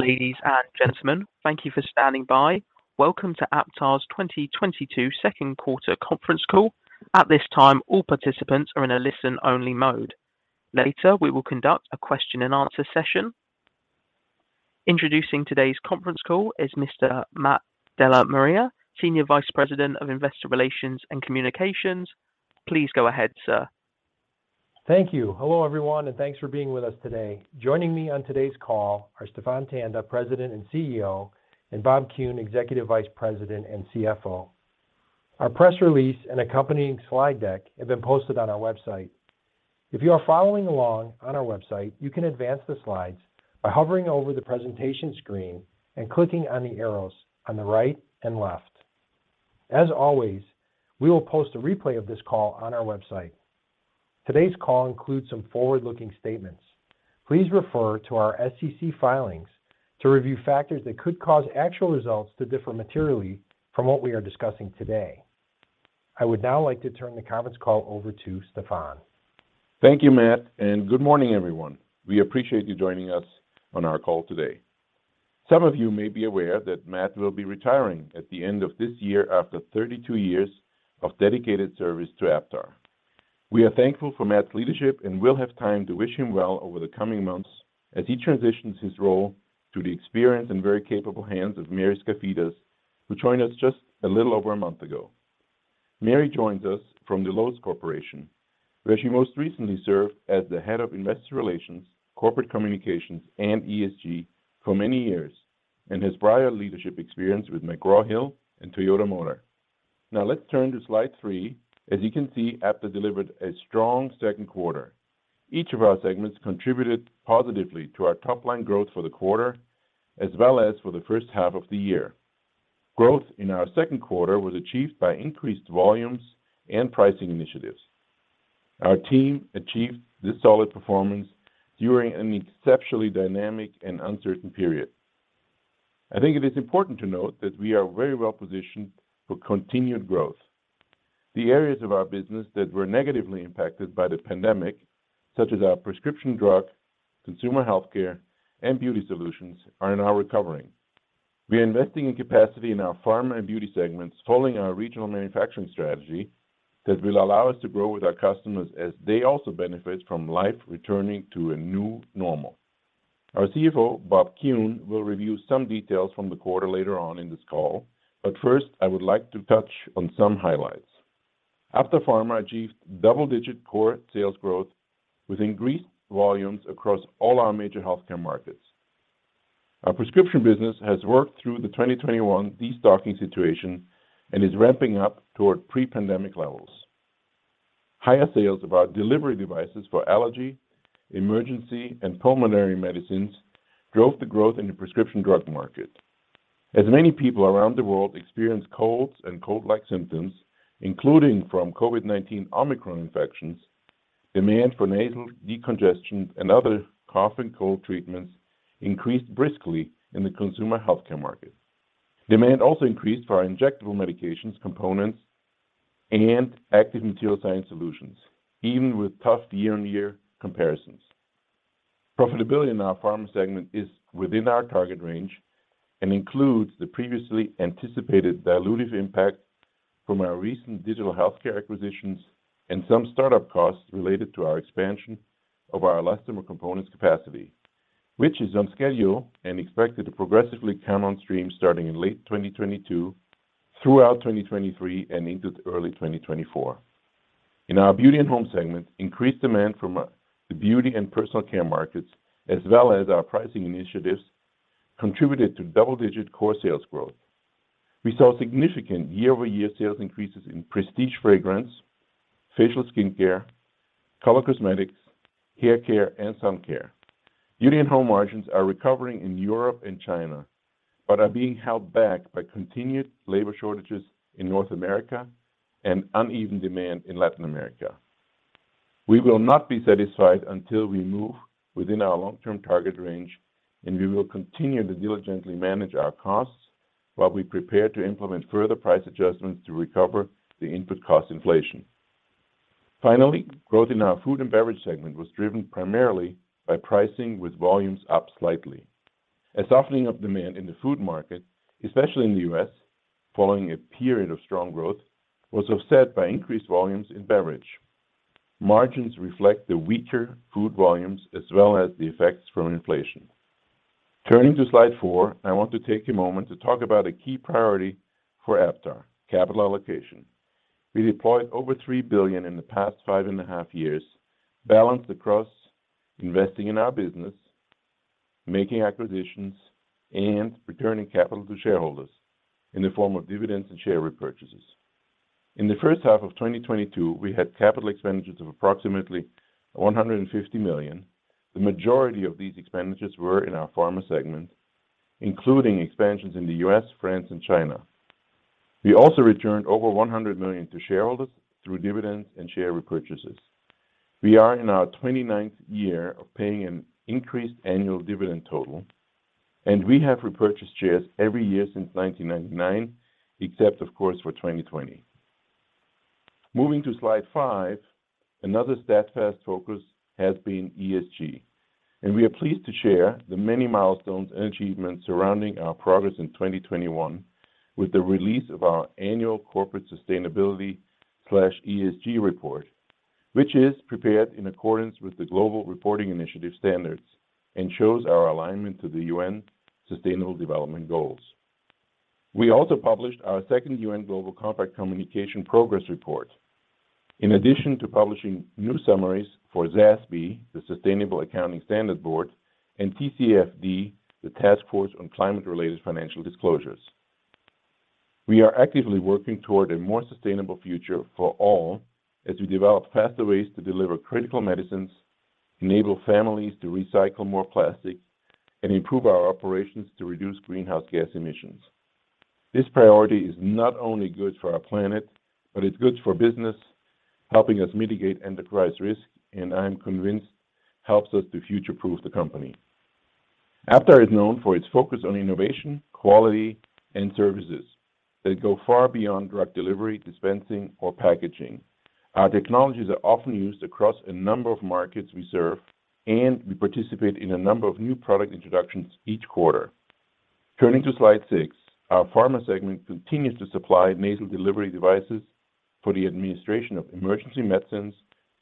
Ladies and gentlemen, thank you for standing by. Welcome to Aptar's 2022 second quarter conference call. At this time, all participants are in a listen-only mode. Later, we will conduct a question and answer session. Introducing today's conference call is Mr. Matt DellaMaria, Senior Vice President of Investor Relations and Communications. Please go ahead, sir. Thank you. Hello, everyone, and thanks for being with us today. Joining me on today's call are Stephan Tanda, President and CEO, and Bob Kuhn, Executive Vice President and CFO. Our press release and accompanying slide deck have been posted on our website. If you are following along on our website, you can advance the slides by hovering over the presentation screen and clicking on the arrows on the right and left. As always, we will post a replay of this call on our website. Today's call includes some forward-looking statements. Please refer to our SEC filings to review factors that could cause actual results to differ materially from what we are discussing today. I would now like to turn the conference call over to Stephan. Thank you, Matt, and good morning, everyone. We appreciate you joining us on our call today. Some of you may be aware that Matt will be retiring at the end of this year after 32 years of dedicated service to Aptar. We are thankful for Matt's leadership and will have time to wish him well over the coming months as he transitions his role to the experienced and very capable hands of Mary Skafidas, who joined us just a little over a month ago. Mary joins us from the Lowe's Companies, where she most recently served as the Head of Investor Relations, Corporate Communications, and ESG for many years, and has prior leadership experience with McGraw Hill and Toyota Motor. Now let's turn to slide three. As you can see, Aptar delivered a strong second quarter. Each of our segments contributed positively to our top-line growth for the quarter, as well as for the first half of the year. Growth in our second quarter was achieved by increased volumes and pricing initiatives. Our team achieved this solid performance during an exceptionally dynamic and uncertain period. I think it is important to note that we are very well positioned for continued growth. The areas of our business that were negatively impacted by the pandemic, such as our prescription drug, consumer healthcare, and beauty solutions, are now recovering. We are investing in capacity in our Pharma and Beauty segments following our regional manufacturing strategy that will allow us to grow with our customers as they also benefit from life returning to a new normal. Our CFO, Bob Kuhn, will review some details from the quarter later on in this call. First, I would like to touch on some highlights. Aptar Pharma achieved double-digit core sales growth with increased volumes across all our major healthcare markets. Our prescription business has worked through the 2021 destocking situation and is ramping up toward pre-pandemic levels. Higher sales of our delivery devices for allergy, emergency, and pulmonary medicines drove the growth in the prescription drug market. As many people around the world experience colds and cold-like symptoms, including from COVID-19 Omicron infections, demand for nasal decongestants and other cough and cold treatments increased briskly in the consumer healthcare market. Demand also increased for our injectable medications components and active material science solutions, even with tough year-on-year comparisons. Profitability in our Pharma segment is within our target range and includes the previously anticipated dilutive impact from our recent digital healthcare acquisitions and some startup costs related to our expansion of our elastomer components capacity, which is on schedule and expected to progressively come on stream starting in late 2022, throughout 2023, and into early 2024. In our Beauty and Home segment, increased demand from the Beauty and personal care markets as well as our pricing initiatives contributed to double-digit core sales growth. We saw significant year-over-year sales increases in prestige fragrance, facial skincare, color cosmetics, hair care, and sun care. Beauty and Home margins are recovering in Europe and China, but are being held back by continued labor shortages in North America and uneven demand in Latin America. We will not be satisfied until we move within our long-term target range, and we will continue to diligently manage our costs while we prepare to implement further price adjustments to recover the input cost inflation. Finally, growth in our Food and Beverage segment was driven primarily by pricing with volumes up slightly. A softening of demand in the food market, especially in the U.S., following a period of strong growth, was offset by increased volumes in beverage. Margins reflect the weaker food volumes as well as the effects from inflation. Turning to slide four, I want to take a moment to talk about a key priority for Aptar, capital allocation. We deployed over $3 billion in the past five and a half years, balanced across investing in our business, making acquisitions, and returning capital to shareholders in the form of dividends and share repurchases. In the first half of 2022, we had capital expenditures of approximately $150 million. The majority of these expenditures were in our Pharma segment, including expansions in the U.S., France, and China. We also returned over $100 million to shareholders through dividends and share repurchases. We are in our 29th year of paying an increased annual dividend total, and we have repurchased shares every year since 1999, except of course for 2020. Moving to slide five, another steadfast focus has been ESG. We are pleased to share the many milestones and achievements surrounding our progress in 2021 with the release of our annual corporate sustainability/ESG report, which is prepared in accordance with the Global Reporting Initiative Standards and shows our alignment to the UN Sustainable Development Goals. We also published our second UN Global Compact Communication on Progress Report. In addition to publishing new summaries for SASB, the Sustainability Accounting Standards Board, and TCFD, the Task Force on Climate-related Financial Disclosures, we are actively working toward a more sustainable future for all as we develop faster ways to deliver critical medicines, enable families to recycle more plastic, and improve our operations to reduce greenhouse gas emissions. This priority is not only good for our planet, but it's good for business, helping us mitigate enterprise risk, and I am convinced helps us to future-proof the company. Aptar is known for its focus on innovation, quality, and services that go far beyond drug delivery, dispensing, or packaging. Our technologies are often used across a number of markets we serve, and we participate in a number of new product introductions each quarter. Turning to slide six, our Pharma segment continues to supply nasal delivery devices for the administration of emergency medicines,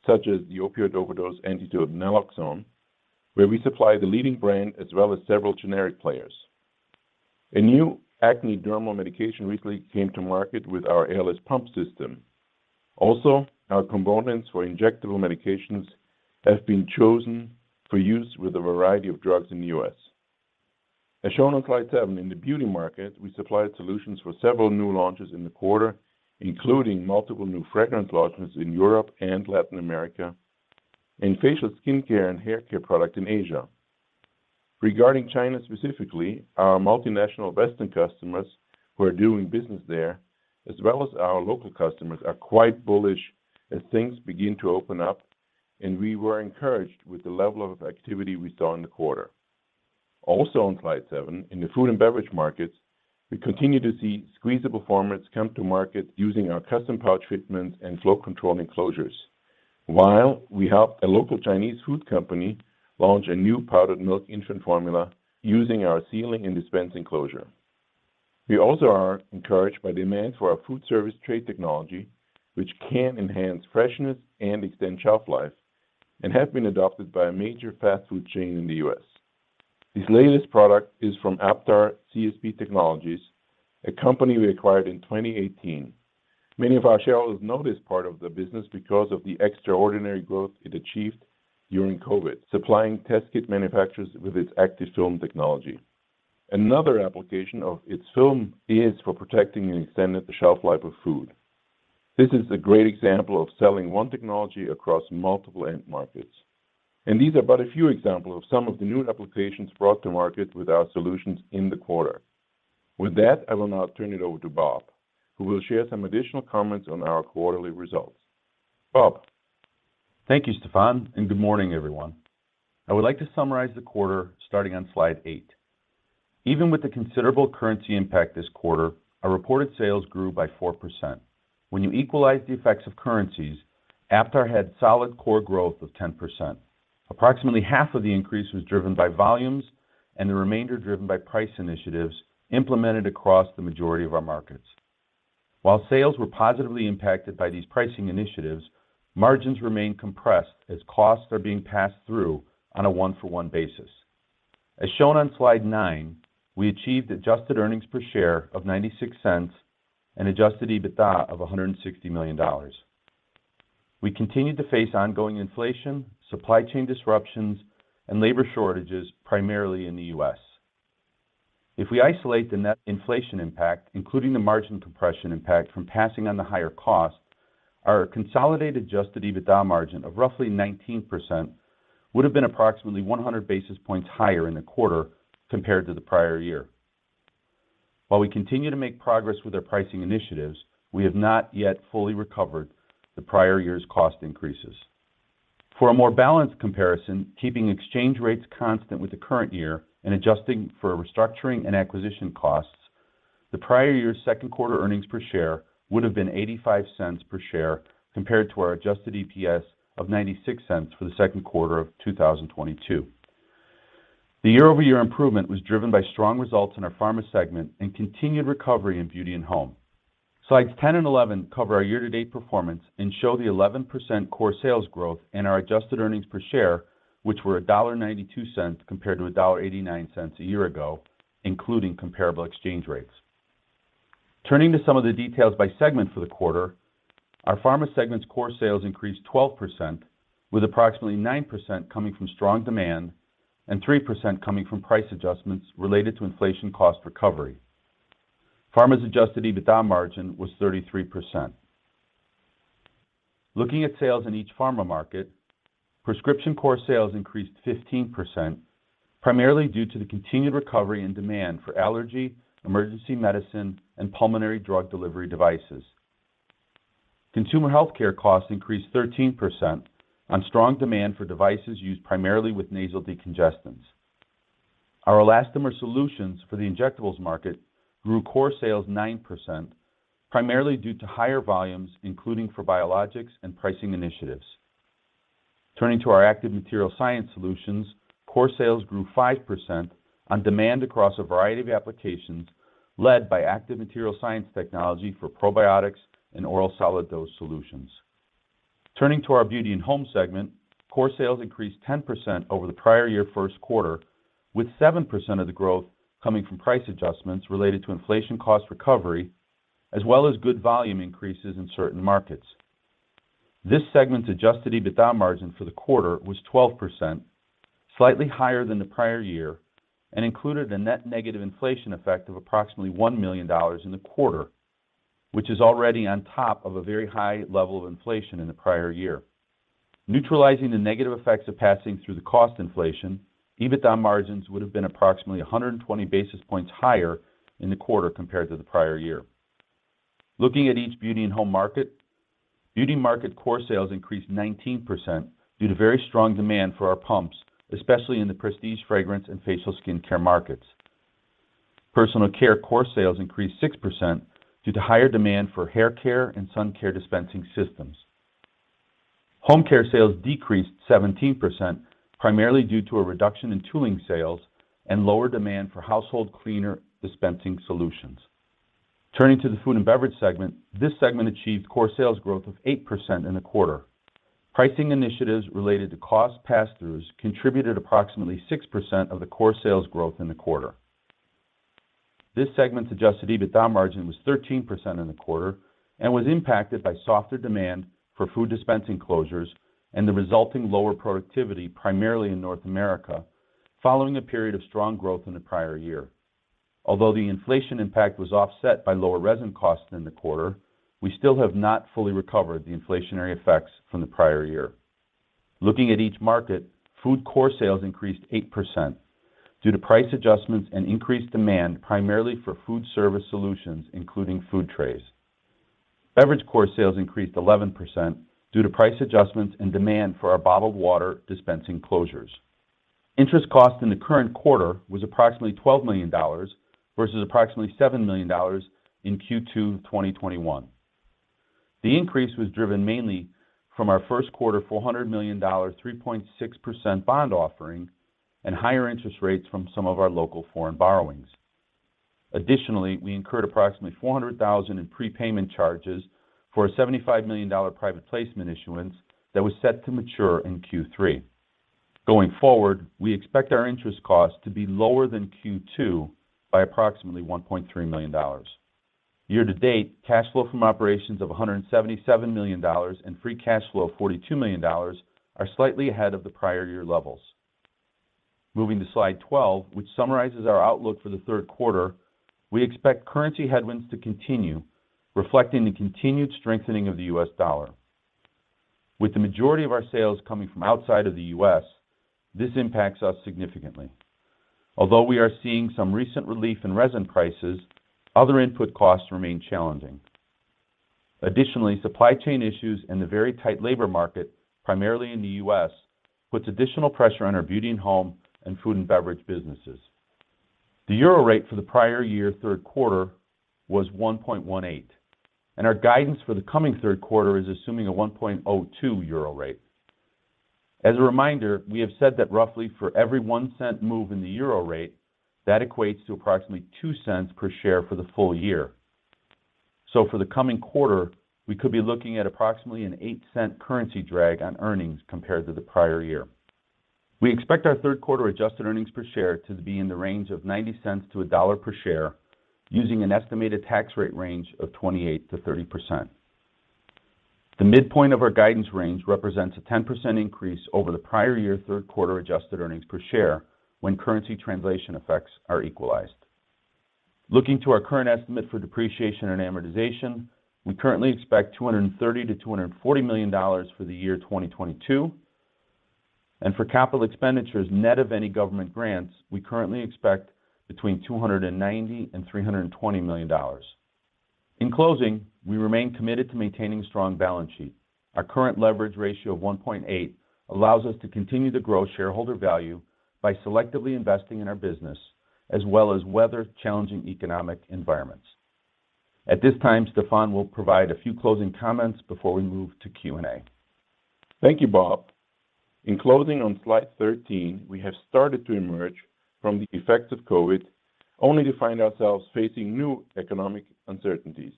such as the opioid overdose antidote naloxone, where we supply the leading brand as well as several generic players. A new acne dermal medication recently came to market with our airless pump system. Also, our components for injectable medications have been chosen for use with a variety of drugs in the U.S. As shown on slide seven, in the Beauty market, we supplied solutions for several new launches in the quarter, including multiple new fragrance launches in Europe and Latin America, and facial skincare and haircare product in Asia. Regarding China specifically, our multinational Western customers who are doing business there, as well as our local customers, are quite bullish as things begin to open up, and we were encouraged with the level of activity we saw in the quarter. Also on slide seven, in the Food and Beverage markets, we continue to see squeezable formats come to market using our custom pouch closures and flow control closures. While we helped a local Chinese food company launch a new powdered milk infant formula using our sealing and dispense closure. We also are encouraged by demand for our food service tray technology, which can enhance freshness and extend shelf life and have been adopted by a major fast food chain in the U.S. This latest product is from Aptar CSP Technologies, a company we acquired in 2018. Many of our shareholders know this part of the business because of the extraordinary growth it achieved during COVID, supplying test kit manufacturers with its active film technology. Another application of its film is for protecting and extending the shelf life of food. This is a great example of selling one technology across multiple-end markets. These are but a few examples of some of the new applications brought to market with our solutions in the quarter. With that, I will now turn it over to Bob, who will share some additional comments on our quarterly results. Bob. Thank you, Stephan, and good morning, everyone. I would like to summarize the quarter starting on slide eight. Even with the considerable currency impact this quarter, our reported sales grew by 4%. When you equalize the effects of currencies, Aptar had solid core growth of 10%. Approximately half of the increase was driven by volumes and the remainder driven by price initiatives implemented across the majority of our markets. While sales were positively impacted by these pricing initiatives, margins remain compressed as costs are being passed through on a one-for-one basis. As shown on slide nine, we achieved adjusted earnings per share of $0.96 and adjusted EBITDA of $160 million. We continued to face ongoing inflation, supply chain disruptions, and labor shortages primarily in the U.S. If we isolate the net inflation impact, including the margin compression impact from passing on the higher cost, our consolidated adjusted EBITDA margin of roughly 19% would have been approximately 100 basis points higher in the quarter compared to the prior year. While we continue to make progress with our pricing initiatives, we have not yet fully recovered the prior year's cost increases. For a more balanced comparison, keeping exchange rates constant with the current year and adjusting for restructuring and acquisition costs, the prior year's second quarter earnings per share would have been $0.85 per share compared to our adjusted EPS of $0.96 for the second quarter of 2022. The year-over-year improvement was driven by strong results in our Pharma segment and continued recovery in Beauty and Home. Slides 10 and 11 cover our year-to-date performance and show the 11% core sales growth and our adjusted earnings per share, which were $1.92 compared to $1.89 a year ago, including comparable exchange rates. Turning to some of the details by segment for the quarter. Our Pharma segment's core sales increased 12%, with approximately 9% coming from strong demand and 3% coming from price adjustments related to inflation cost recovery. Pharma's adjusted EBITDA margin was 33%. Looking at sales in each Pharma market, prescription core sales increased 15%, primarily due to the continued recovery and demand for allergy, emergency medicine, and pulmonary drug delivery devices. Consumer healthcare costs increased 13% on strong demand for devices used primarily with nasal decongestants. Our elastomer solutions for the injectables market grew core sales 9%, primarily due to higher volumes, including for biologics and pricing initiatives. Turning to our active material science solutions, core sales grew 5% on demand across a variety of applications, led by active material science technology for probiotics and oral solid dose solutions. Turning to our Beauty and Home segment, core sales increased 10% over the prior-year first quarter, with 7% of the growth coming from price adjustments related to inflation cost recovery, as well as good volume increases in certain markets. This segment's adjusted EBITDA margin for the quarter was 12%, slightly higher than the prior year, and included a net-negative inflation effect of approximately $1 million in the quarter, which is already on top of a very high level of inflation in the prior year. Neutralizing the negative effects of passing through the cost inflation, EBITDA margins would have been approximately 120 basis points higher in the quarter compared to the prior year. Looking at each Beauty and Home market, Beauty market core sales increased 19% due to very strong demand for our pumps, especially in the prestige fragrance and facial skincare markets. Personal care core sales increased 6% due to higher demand for hair care and sun care dispensing systems. Home care sales decreased 17%, primarily due to a reduction in tooling sales and lower demand for household cleaner dispensing solutions. Turning to the Food and Beverage segment, this segment achieved core sales growth of 8% in the quarter. Pricing initiatives related to cost pass-throughs contributed approximately 6% of the core sales growth in the quarter. This segment's adjusted EBITDA margin was 13% in the quarter and was impacted by softer demand for food dispensing closures and the resulting lower productivity, primarily in North America, following a period of strong growth in the prior year. Although the inflation impact was offset by lower resin costs in the quarter, we still have not fully recovered the inflationary effects from the prior year. Looking at each market, food core sales increased 8% due to price adjustments and increased demand, primarily for food service solutions, including food trays. Beverage core sales increased 11% due to price adjustments and demand for our bottled water dispensing closures. Interest cost in the current quarter was approximately $12 million, versus approximately $7 million in Q2 2021. The increase was driven mainly from our first quarter $400 million, 3.6% bond offering and higher interest rates from some of our local foreign borrowings. Additionally, we incurred approximately $400,000 in prepayment charges for a $75 million private placement issuance that was set to mature in Q3. Going forward, we expect our interest costs to be lower than Q2 by approximately $1.3 million. Year-to-date, cash flow from operations of $177 million and free cash flow of $42 million are slightly ahead of the prior year levels. Moving to slide 12, which summarizes our outlook for the third quarter, we expect currency headwinds to continue, reflecting the continued strengthening of the U.S. dollar. With the majority of our sales coming from outside of the U.S., this impacts us significantly. Although we are seeing some recent relief in resin prices, other input costs remain challenging. Additionally, supply chain issues and the very tight labor market, primarily in the U.S., puts additional pressure on our Beauty and Home and Food and Beverage businesses. The Euro rate for the prior year third quarter was 1.18, and our guidance for the coming third quarter is assuming a 1.02 euro rate. As a reminder, we have said that roughly for every $0.01 move in the Euro rate, that equates to approximately $0.02 per share for the full year. For the coming quarter, we could be looking at approximately a $0.08 currency drag on earnings compared to the prior year. We expect our third quarter adjusted earnings per share to be in the range of $0.90-$1.00 per share using an estimated tax rate range of 28%-30%. The midpoint of our guidance range represents a 10% increase over the prior year third quarter adjusted earnings per share when currency translation effects are equalized. Looking to our current estimate for depreciation and amortization, we currently expect $230 million-$240 million for the year 2022. For capital expenditures net of any government grants, we currently expect between $290 million and $320 million. In closing, we remain committed to maintaining strong balance sheet. Our current leverage ratio of 1.8 allows us to continue to grow shareholder value by selectively investing in our business as well as weather challenging economic environments. At this time, Stephan will provide a few closing comments before we move to Q&A. Thank you, Bob. In closing on slide 13, we have started to emerge from the effects of COVID, only to find ourselves facing new economic uncertainties.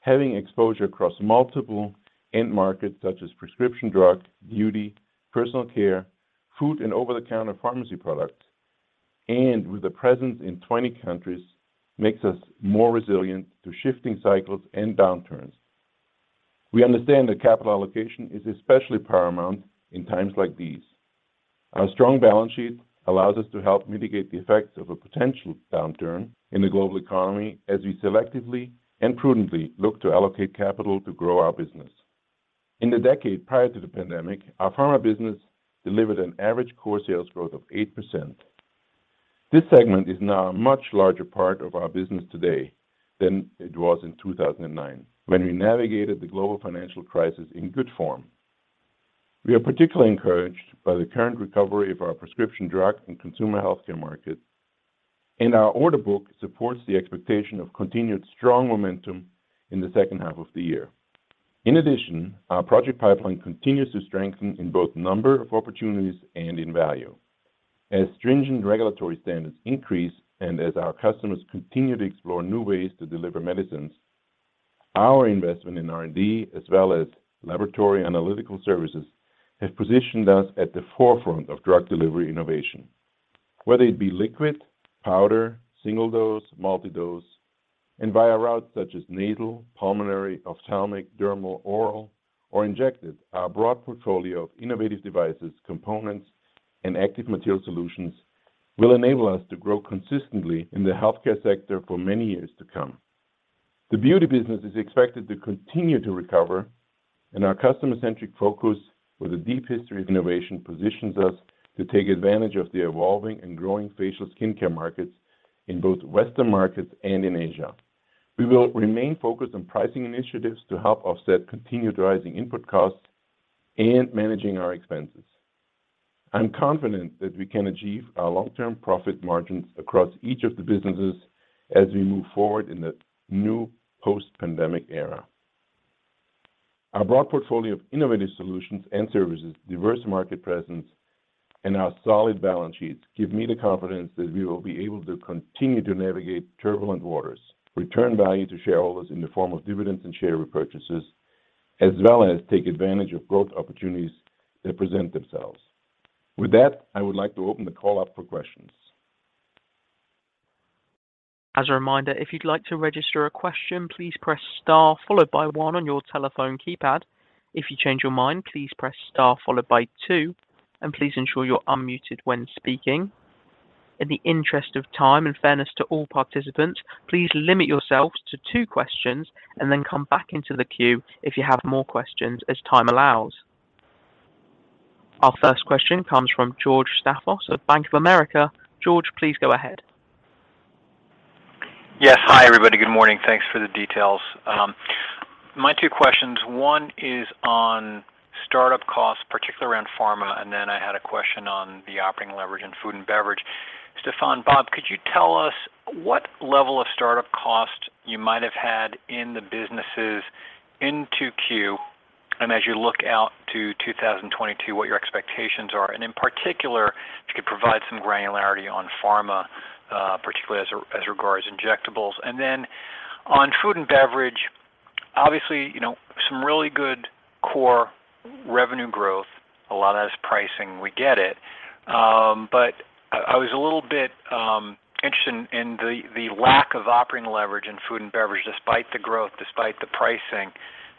Having exposure across multiple end markets such as prescription drugs, beauty, personal care, food, and over-the-counter pharmacy products, and with a presence in 20 countries, makes us more resilient to shifting cycles and downturns. We understand that capital allocation is especially paramount in times like these. Our strong balance sheet allows us to help mitigate the effects of a potential downturn in the global economy as we selectively and prudently look to allocate capital to grow our business. In the decade prior to the pandemic, our Pharma business delivered an average core sales growth of 8%. This segment is now a much larger part of our business today than it was in 2009 when we navigated the global financial crisis in good form. We are particularly encouraged by the current recovery of our prescription drug and consumer healthcare market, and our order book supports the expectation of continued strong momentum in the second half of the year. In addition, our project pipeline continues to strengthen in both number of opportunities and in value. As stringent regulatory standards increase and as our customers continue to explore new ways to deliver medicines, our investment in R&D as well as laboratory analytical services have positioned us at the forefront of drug delivery innovation. Whether it be liquid, powder, single dose, multi-dose, and via routes such as nasal, pulmonary, ophthalmic, dermal, oral, or injected, our broad portfolio of innovative devices, components, and active material solutions will enable us to grow consistently in the healthcare sector for many years to come. The Beauty business is expected to continue to recover and our customer-centric focus with a deep history of innovation positions us to take advantage of the evolving and growing facial skincare markets in both Western markets and in Asia. We will remain focused on pricing initiatives to help offset continued rising input costs and managing our expenses. I'm confident that we can achieve our long-term profit margins across each of the businesses as we move forward in the new post-pandemic era. Our broad portfolio of innovative solutions and services, diverse market presence, and our solid balance sheets give me the confidence that we will be able to continue to navigate turbulent waters, return value to shareholders in the form of dividends and share repurchases, as well as take advantage of growth opportunities that present themselves. With that, I would like to open the call up for questions. As a reminder, if you'd like to register a question, please press star followed by one on your telephone keypad. If you change your mind, please press star followed by two, and please ensure you're unmuted when speaking. In the interest of time and fairness to all participants, please limit yourselves to two questions and then come back into the queue if you have more questions as time allows. Our first question comes from George Staphos of Bank of America. George, please go ahead. Yes. Hi, everybody. Good morning. Thanks for the details. My two questions, one is on startup costs, particularly around Pharma, and then I had a question on the operating leverage in Food and Beverage. Stephan, Bob, could you tell us what level of startup cost you might have had in the businesses in 2Q, and as you look out to 2022, what your expectations are? In particular, if you could provide some granularity on Pharma, particularly as regards injectables. On Food and Beverage, obviously, you know, some really good core revenue growth. A lot of that is pricing, we get it. But I was a little bit interested in the lack of operating leverage in Food and Beverage, despite the growth, despite the pricing,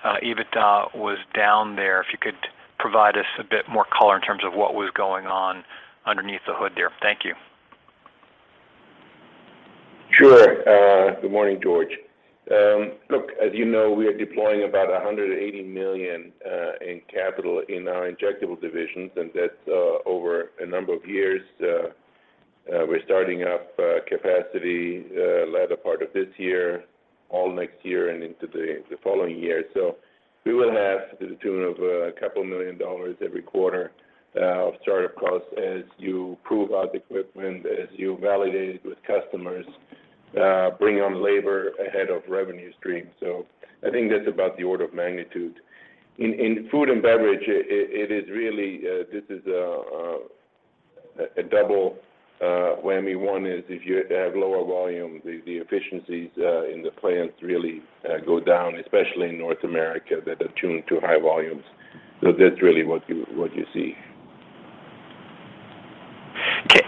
EBITDA was down there. If you could provide us a bit more color in terms of what was going on underneath the hood there? Thank you. Sure. Good morning, George. Look, as you know, we are deploying about $180 million in capital in our injectable divisions, and that's over a number of years. We're starting up capacity latter part of this year, all next year, and into the following year. We will have to the tune of a couple million dollars every quarter of startup costs as you prove out the equipment, as you validate it with customers, bring on labor ahead of revenue stream. I think that's about the order of magnitude. In Food and Beverage, it is really this is a double whammy. One is if you have lower volume, the efficiencies in the plants really go down, especially in North America that are tuned to high volumes. That's really what you see.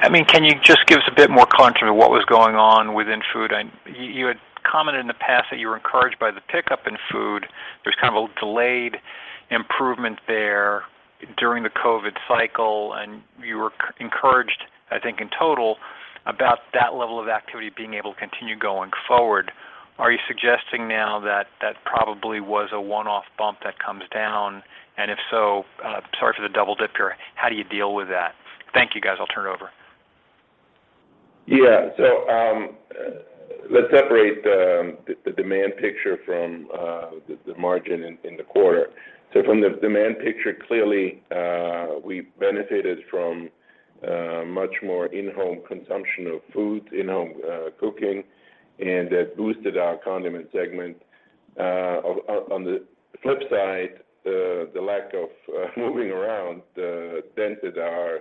I mean, can you just give us a bit more color into what was going on within food? You had commented in the past that you were encouraged by the pickup in food. There's kind of a delayed improvement there during the COVID cycle, and you were encouraged, I think, in total about that level of activity being able to continue going forward. Are you suggesting now that that probably was a one-off bump that comes down? If so, sorry for the double dip here, how do you deal with that? Thank you, guys. I'll turn it over. Yeah. Let's separate the demand picture from the margin in the quarter. From the demand picture, clearly, we benefited from much more in-home consumption of food, in-home cooking, and that boosted our condiment segment. On the flip side, the lack of moving around dented our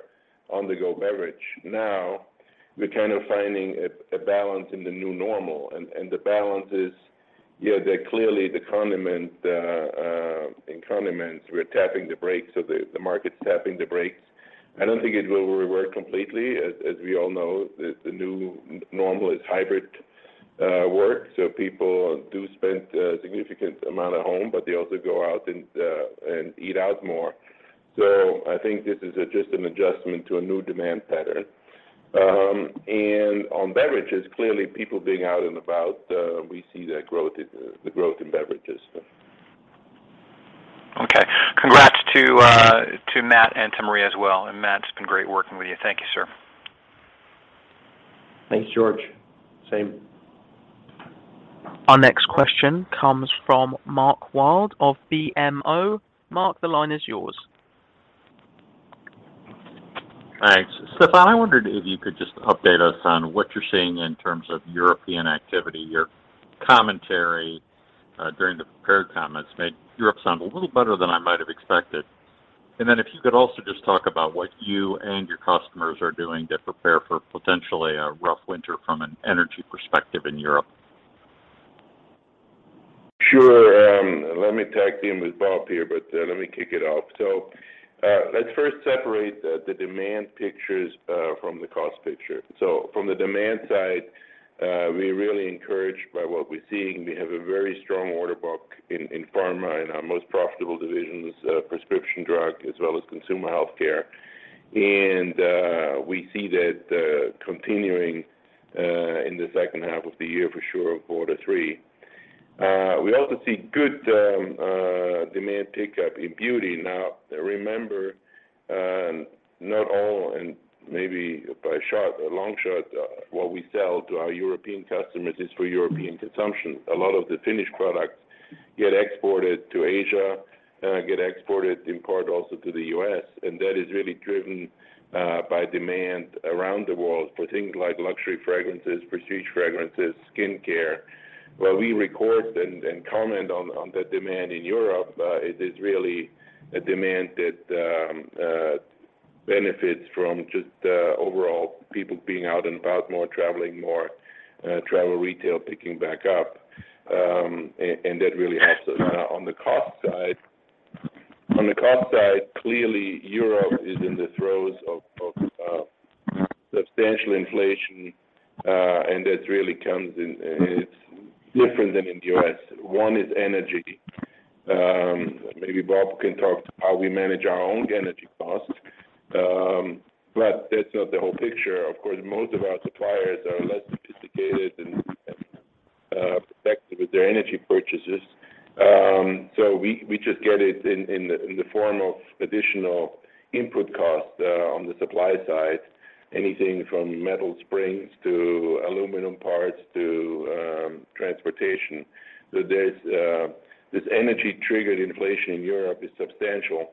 on-the-go beverage. Now we're kind of finding a balance in the new normal. The balance is, yeah, that clearly in condiments, we're tapping the brakes. The market's tapping the brakes. I don't think it will revert completely. As we all know, the new normal is hybrid work, so people do spend a significant amount at home, but they also go out and eat out more. I think this is just an adjustment to a new demand pattern. On Beverages, clearly people being out and about, we see that growth in Beverages. Okay. Congrats to Matt DellaMaria as well. Matt, it's been great working with you. Thank you, sir. Thanks, George. Same. Our next question comes from Mark Wilde of BMO. Mark, the line is yours. Thanks. Stephan, I wondered if you could just update us on what you're seeing in terms of European activity. Your commentary, during the prepared comments made Europe sound a little better than I might have expected. If you could also just talk about what you and your customers are doing to prepare for potentially a rough winter from an energy perspective in Europe. Sure. Let me tag team with Bob here, but let me kick it off. Let's first separate the demand pictures from the cost picture. From the demand side, we're really encouraged by what we're seeing. We have a very strong order book in Pharma in our most profitable divisions, prescription drug as well as consumer healthcare. We see that continuing in the second half of the year for sure in quarter three. We also see good demand pickup in Beauty. Now remember, not all, and maybe by a long shot, what we sell to our European customers is for European consumption. A lot of the finished products get exported to Asia, get exported in part also to the U.S. That is really driven by demand around the world for things like luxury fragrances, prestige fragrances, skincare. While we record and comment on the demand in Europe, it is really a demand that benefits from just overall people being out and about more, traveling more, travel retail picking back up. That really helps us. Now on the cost side, clearly Europe is in the throes of substantial inflation. That really comes in. It's different than in the U.S. One is energy. Maybe Bob can talk to how we manage our own energy costs. But that's not the whole picture. Of course, most of our suppliers are less sophisticated and effective with their energy purchases. We just get it in the form of additional input costs on the supply side, anything from metal springs to aluminum parts to transportation. There's this energy-triggered inflation in Europe is substantial.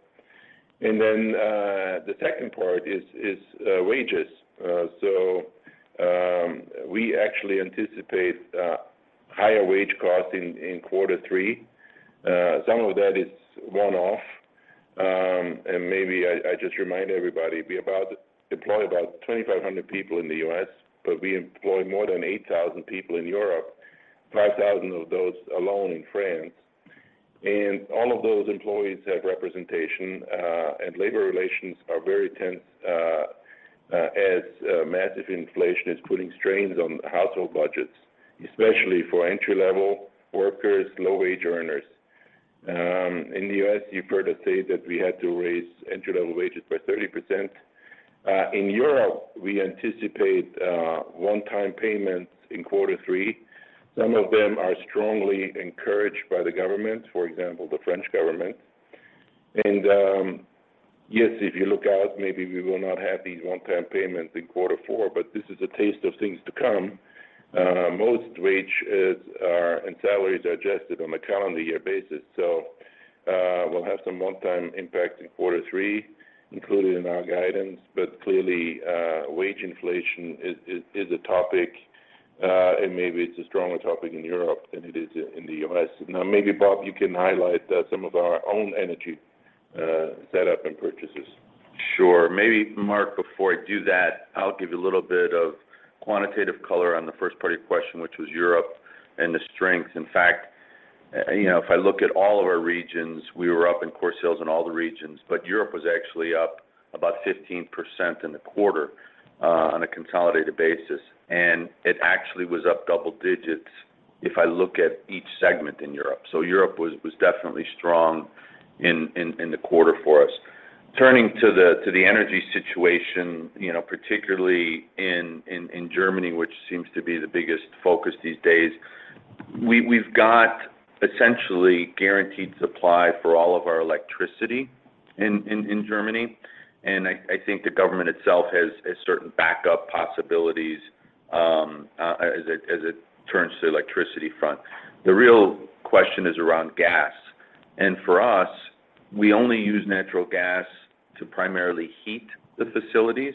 The second part is wages. We actually anticipate higher wage costs in quarter three. Some of that is one-off. Maybe I just remind everybody, we employ about 2,500 people in the U.S., but we employ more than 8,000 people in Europe, 5,000 of those alone in France. All of those employees have representation, and labor relations are very tense as massive inflation is putting strains on household budgets, especially for entry-level workers, low wage earners. In the U.S., you've heard us say that we had to raise entry-level wages by 30%. In Europe, we anticipate one-time payments in quarter three. Some of them are strongly encouraged by the government, for example, the French government. Yes, if you look out, maybe we will not have these one-time payments in quarter four, but this is a taste of things to come. Most wages and salaries are adjusted on a calendar-year basis. We'll have some one-time impact in quarter three included in our guidance. Clearly, wage inflation is a topic, and maybe it's a stronger topic in Europe than it is in the U.S. Now, maybe Bob, you can highlight some of our own energy setup and purchases. Sure. Maybe Mark, before I do that, I'll give you a little bit of quantitative color on the first part of your question, which was Europe and the strength. In fact, you know, if I look at all of our regions, we were up in core sales in all the regions, but Europe was actually up about 15% in the quarter on a consolidated basis. It actually was up double digits if I look at each segment in Europe. Europe was definitely strong in the quarter for us. Turning to the energy situation, you know, particularly in Germany, which seems to be the biggest focus these days, we've got essentially guaranteed supply for all of our electricity in Germany. I think the government itself has certain backup possibilities, as it turns to the electricity front. The real question is around gas. For us, we only use natural gas to primarily heat the facilities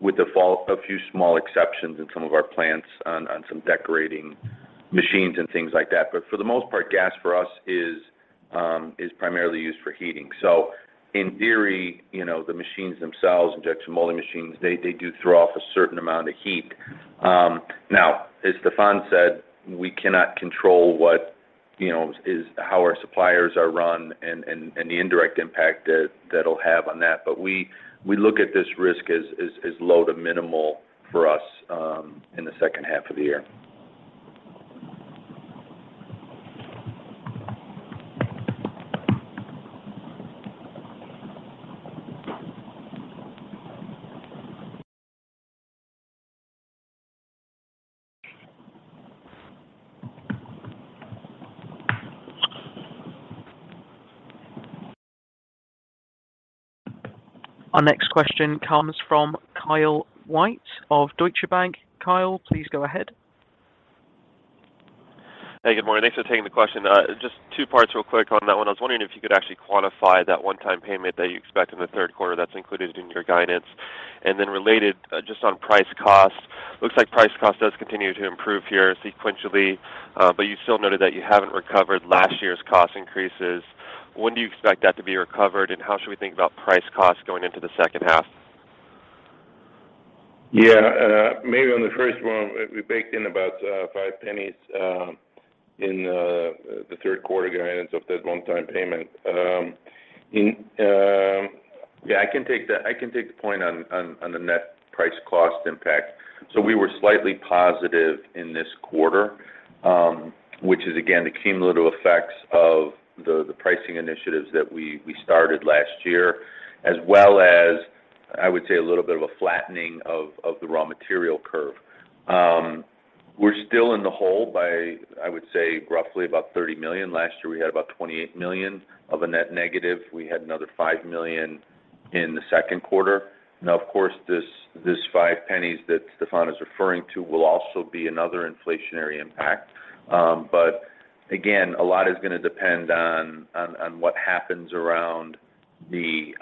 with a few small exceptions in some of our plants on some decorating machines and things like that. For the most part, gas for us is primarily used for heating. In theory, you know, the machines themselves, injection molding machines, they do throw off a certain amount of heat. Now as Stephan said, we cannot control what, you know, is how our suppliers are run and the indirect impact that'll have on that. We look at this risk as low to minimal for us in the second half of the year. Our next question comes from Kyle White of Deutsche Bank. Kyle, please go ahead. Hey, good morning. Thanks for taking the question. Just two parts real quick on that one. I was wondering if you could actually quantify that one-time payment that you expect in the third quarter that's included in your guidance. Related, just on price cost, looks like price cost does continue to improve here sequentially, but you still noted that you haven't recovered last year's cost increases. When do you expect that to be recovered, and how should we think about price cost going into the second half? Yeah, maybe on the first one, we baked in about $0.05 in the third quarter guidance of that one-time payment. I can take the point on the net-price cost impact. We were slightly positive in this quarter, which is again the cumulative effects of the pricing initiatives that we started last year, as well as, I would say, a little bit of a flattening of the raw material curve. We're still in the hole by, I would say, roughly about $30 million. Last year, we had about $28 million of a net-negative. We had another $5 million in the second quarter. Now, of course, this $0.05 that Stephan is referring to will also be another inflationary impact. A lot is gonna depend on what happens around the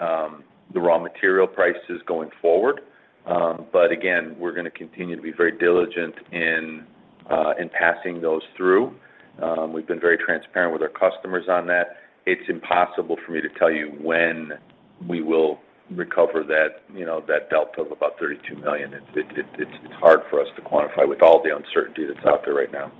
raw material prices going forward. We're gonna continue to be very diligent in passing those through. We've been very transparent with our customers on that. It's impossible for me to tell you when we will recover that, you know, that delta of about $32 million. It's hard for us to quantify with all the uncertainty that's out there right now.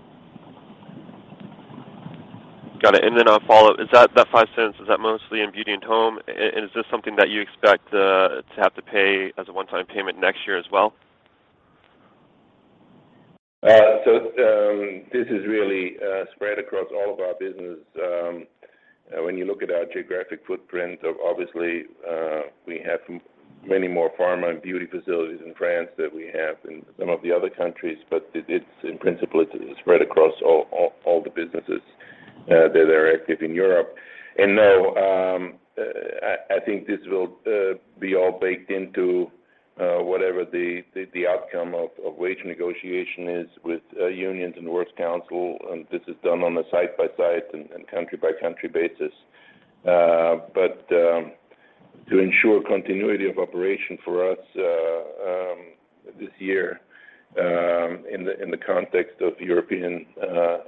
Got it. A follow-up. Is that $0.05, is that mostly in Beauty and Home? Is this something that you expect to have to pay as a one-time payment next year as well? This is really spread across all of our business. When you look at our geographic footprint, obviously, we have many more Pharma and Beauty facilities in France than we have in some of the other countries, but it's in principle, it's spread across all the businesses that are active in Europe. No, I think this will be all baked into whatever the outcome of wage negotiation is with unions and works council, and this is done on a site-by-site and country-by-country basis. To ensure continuity of operation for us, this year, in the context of European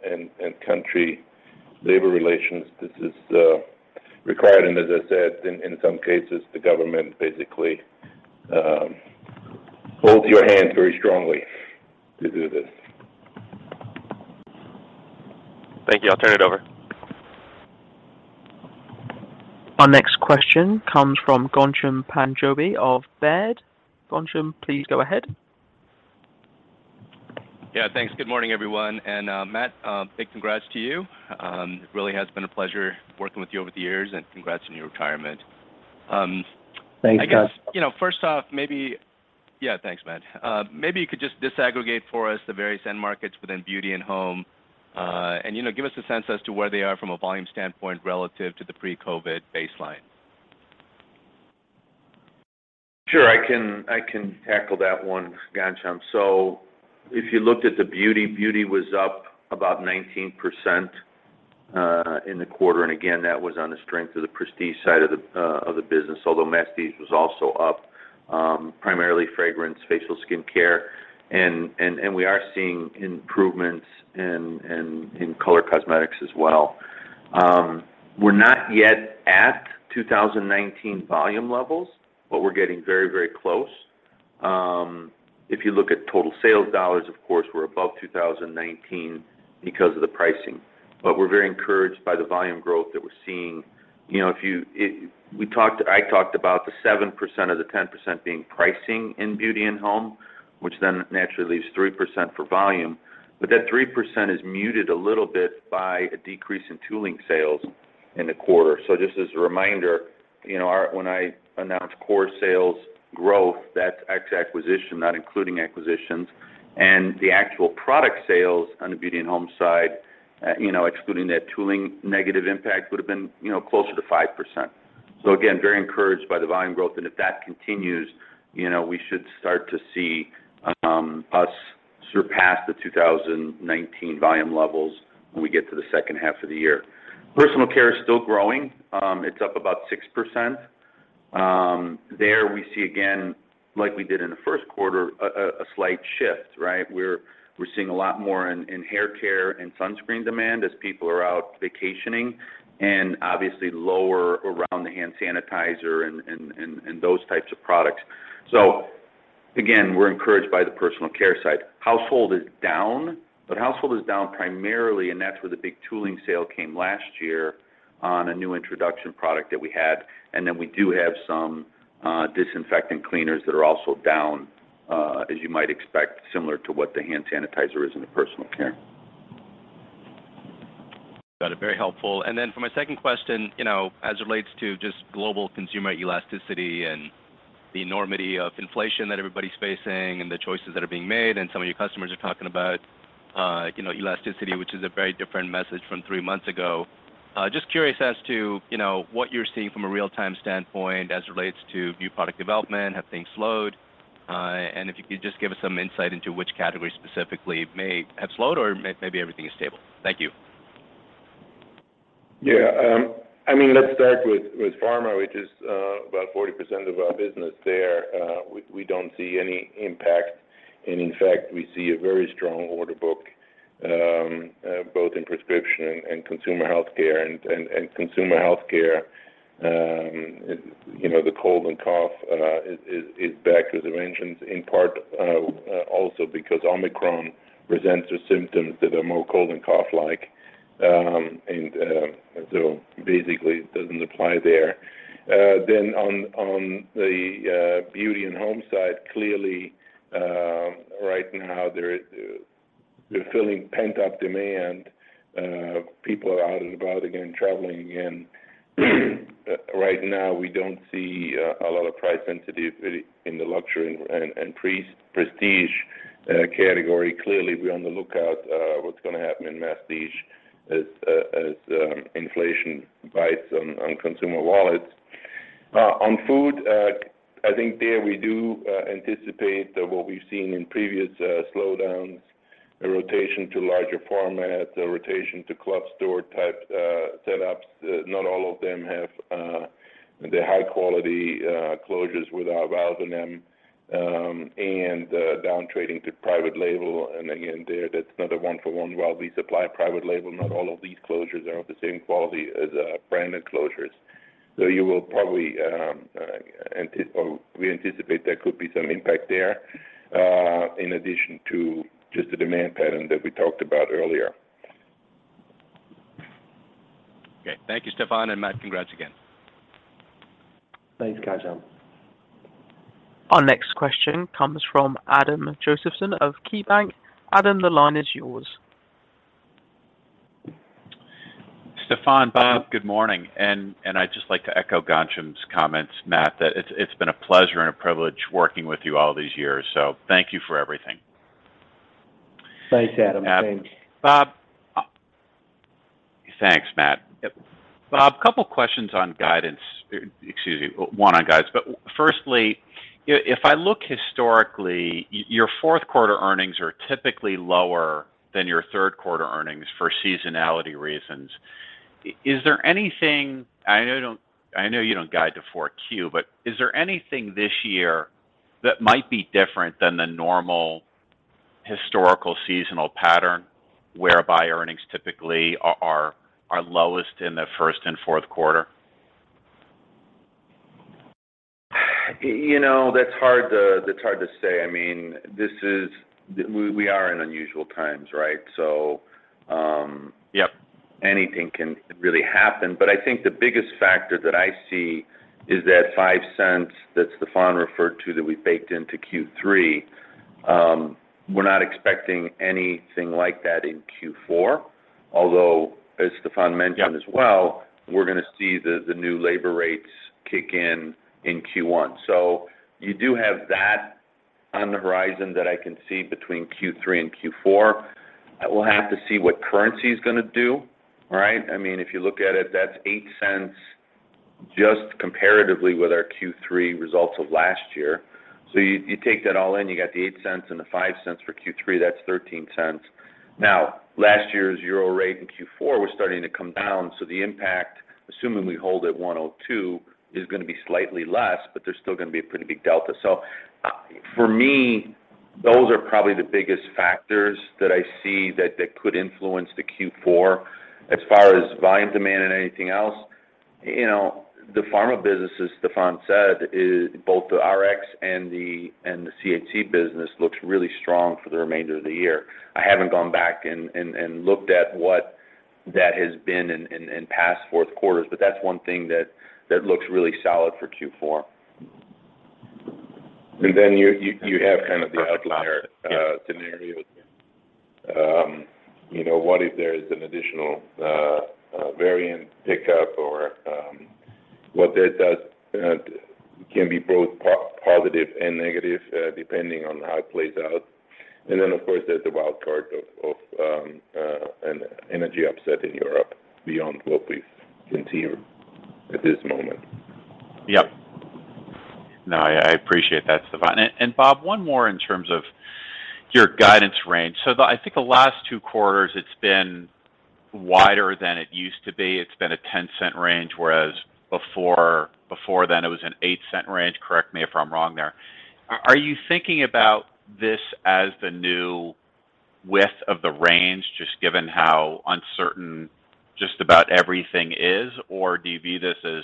and country labor relations, this is required. As I said, in some cases, the government basically holds your hand very strongly to do this. Thank you. I'll turn it over. Our next question comes from Ghansham Panjabi of Baird. Ghansham, please go ahead. Yeah, thanks. Good morning, everyone. Matt, big congrats to you. It really has been a pleasure working with you over the years, and congrats on your retirement. Thanks, Ghansham. Yeah, thanks, Matt. Maybe you could just disaggregate for us the various end markets within Beauty and Home, and, you know, give us a sense as to where they are from a volume standpoint relative to the pre-COVID baseline. Sure, I can tackle that one, Ghansham. If you looked at the Beauty was up about 19% in the quarter, and again, that was on the strength of the prestige side of the business, although mass prestige was also up, primarily fragrance, facial skincare. We are seeing improvements in color cosmetics as well. We're not yet at 2019 volume levels, but we're getting very close. If you look at total sales dollars, of course, we're above 2019 because of the pricing. We're very encouraged by the volume growth that we're seeing. We talked about the 7% of the 10% being pricing in Beauty and Home, which then naturally leaves 3% for volume. That 3% is muted a little bit by a decrease in tooling sales in the quarter. Just as a reminder, you know, when I announce core sales growth, that's ex acquisition, not including acquisitions. The actual product sales on the Beauty and Home side, you know, excluding that tooling negative impact would've been, you know, closer to 5%. Again, very encouraged by the volume growth, and if that continues, you know, we should start to see us surpass the 2019 volume levels when we get to the second half of the year. Personal care is still growing. It's up about 6%. There we see again, like we did in the first quarter, a slight shift, right? We're seeing a lot more in hair care and sunscreen demand as people are out vacationing, and obviously lower around the hand sanitizer and those types of products. Again, we're encouraged by the personal care side. Household is down, but household is down primarily, and that's where the big tooling sale came last year on a new introduction product that we had. Then we do have some disinfectant cleaners that are also down, as you might expect, similar to what the hand sanitizer is in the personal care. Got it. Very helpful. Then for my second question, you know, as it relates to just global consumer elasticity and the enormity of inflation that everybody's facing and the choices that are being made, and some of your customers are talking about, you know, elasticity, which is a very different message from three months ago. Just curious as to, you know, what you're seeing from a real-time standpoint as it relates to new product development. Have things slowed? And if you could just give us some insight into which categories specifically may have slowed or may, maybe everything is stable. Thank you. Yeah. I mean, let's start with Pharma, which is about 40% of our business there. We don't see any impact, and in fact, we see a very strong order book both in prescription and consumer healthcare. Consumer healthcare, you know, the cold and cough is back as it mentions, in part, also because Omicron presents with symptoms that are more cold and cough-like, and so basically it doesn't apply there. On the Beauty and Home side, clearly, right now we're filling pent-up demand. People are out and about again, traveling again. Right now we don't see a lot of price sensitivity in the luxury and prestige category. Clearly, we're on the lookout, what's gonna happen in masstige as inflation bites on consumer wallets. On food, I think there, we do anticipate that what we've seen in previous slowdowns, a rotation to larger format, a rotation to club store type setups. Not all of them have the high-quality closures with our valves in them, and down trading to private label. Again, there, that's another one-for-one. While we supply private label, not all of these closures are of the same quality as branded closures. We anticipate there could be some impact there, in addition to just the demand pattern that we talked about earlier. Okay. Thank you, Stephan. Matt, congrats again. Thanks, Ghansham. Our next question comes from Adam Josephson of KeyBanc. Adam, the line is yours. Stephan, Bob, good morning. I'd just like to echo Ghansham's comments, Matt, that it's been a pleasure and a privilege working with you all these years, so thank you for everything. Thanks, Adam. Thanks. Bob. Thanks, Matt. Yep. Bob, couple questions on guidance. One on guidance. Firstly, if I look historically, your fourth quarter earnings are typically lower than your third quarter earnings for seasonality reasons. Is there anything. I know, I know you don't guide to 4Q, but is there anything this year that might be different than the normal historical seasonal pattern whereby earnings typically are lowest in the first and fourth quarter? You know, that's hard to say. I mean, we are in unusual times, right? Yep Anything can really happen. I think the biggest factor that I see is that $0.05 that Stephan referred to that we baked into Q3, we're not expecting anything like that in Q4. Although, as Stephan mentioned as well- Yep We're gonna see the new labor rates kick in in Q1. You do have that on the horizon that I can see between Q3 and Q4. We'll have to see what currency's gonna do, right? I mean, if you look at it, that's $0.08 just comparatively with our Q3 results of last year. You take that all in, you got the $0.08 and the $0.05 for Q3, that's $0.13. Now, last year's Euro rate in Q4 was starting to come down, so the impact, assuming we hold at $1.02, is gonna be slightly less, but there's still gonna be a pretty big delta. For me, those are probably the biggest factors that I see that could influence the Q4. As far as volume demand and anything else, you know, the Pharma business, as Stephan said, is both the Rx and the CHC business looks really strong for the remainder of the year. I haven't gone back and looked at what that has been in past fourth quarters, but that's one thing that looks really solid for Q4. Then you have kind of the outlier- Yeah Scenario. You know, what if there is an additional variant pickup or what that does can be both positive and negative depending on how it plays out. Of course, there's the wild card of an energy upset in Europe beyond what we've seen here at this moment. Yep. No, I appreciate that, Stephan. Bob, one more in terms of your guidance range. I think the last two quarters it's been wider than it used to be. It's been a $0.10 range, whereas before then it was an $0.08-range. Correct me if I'm wrong there. Are you thinking about this as the new width of the range, just given how uncertain just about everything is? Do you view this as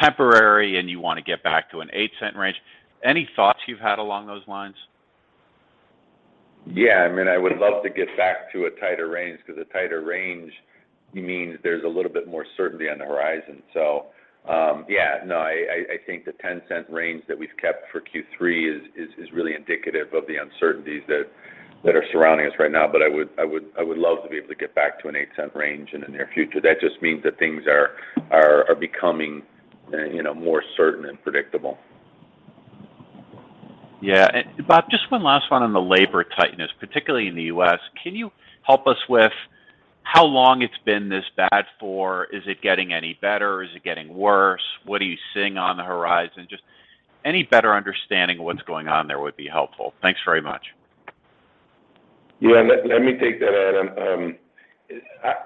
temporary and you want to get back to an $0.08 range? Any thoughts you've had along those lines? Yeah. I mean, I would love to get back to a tighter range, 'cause a tighter range means there's a little bit more certainty on the horizon. Yeah, no, I think the $0.10 range that we've kept for Q3 is really indicative of the uncertainties that are surrounding us right now. I would love to be able to get back to an $0.08 range in the near future. That just means that things are becoming, you know, more certain and predictable. Yeah. Bob, just one last one on the labor tightness, particularly in the U.S. Can you help us with how long it's been this bad for? Is it getting any better? Is it getting worse? What are you seeing on the horizon? Just any better understanding of what's going on there would be helpful. Thanks very much. Yeah. Let me take that, Adam.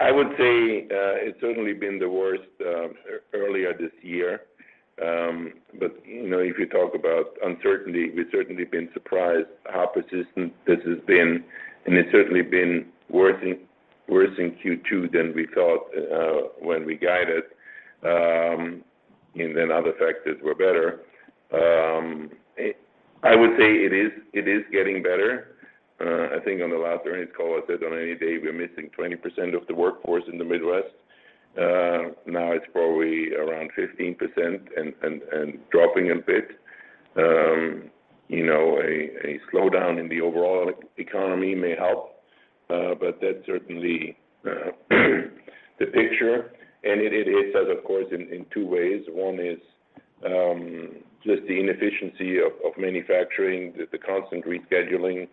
I would say it's certainly been the worst earlier this year. But you know, if you talk about uncertainty, we've certainly been surprised how persistent this has been, and it's certainly been worse in Q2 than we thought when we guided, and then other factors were better. I would say it is getting better. I think on the last earnings call, I said on any day we're missing 20% of the workforce in the Midwest. Now it's probably around 15% and dropping a bit. You know, a slowdown in the overall economy may help, but that's certainly the picture. It hits us, of course, in two ways. One is just the inefficiency of manufacturing, the constant rescheduling,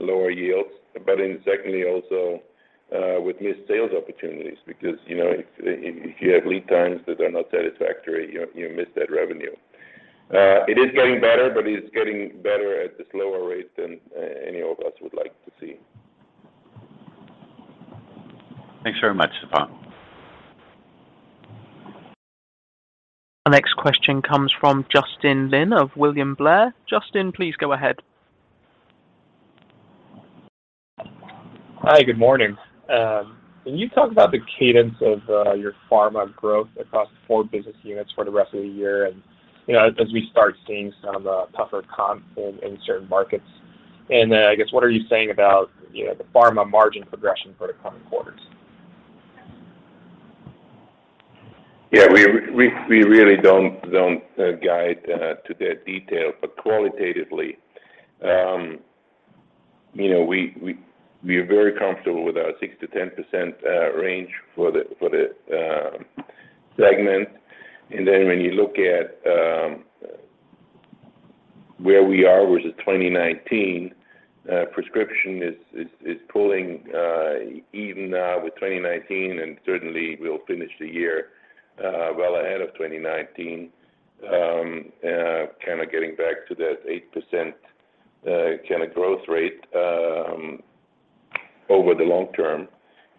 lower yields, but then secondly also with missed sales opportunities. Because you know, if you have lead times that are not satisfactory, you miss that revenue. It is getting better, but it is getting better at the slower rate than any of us would like to see. Thanks very much, Stephan. Our next question comes from Justin Lin of William Blair. Justin, please go ahead. Hi. Good morning. Can you talk about the cadence of your Pharma growth across the four business units for the rest of the year-end, you know, as we start seeing some tougher comp in certain markets? I guess, what are you saying about, you know, the Pharma margin progression for the coming quarters? Yeah. We really don't guide to that detail. Qualitatively, you know, we are very comfortable with our 6%-10% range for the segment. Then when you look at where we are versus 2019, prescription is pulling even now with 2019, and certainly we'll finish the year well ahead of 2019, kind of getting back to that 8% kind of growth rate over the